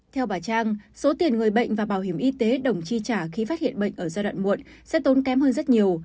theo bà trang số tiền người bệnh và bảo hiểm y tế đồng chi trả khi phát hiện bệnh ở giai đoạn muộn sẽ tốn kém hơn rất nhiều